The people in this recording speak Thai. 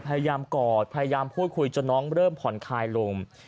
พยายามกอดพยายามพูดคุยจนน้องเริ่มผ่อนคลายลง